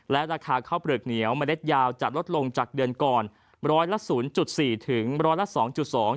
และราคาข้าวเปลือกเหนียวเมล็ดยาวจะลดลงจากเดือนก่อนร้อยละศูนย์จุดสี่ถึงร้อยละสองจุดสอง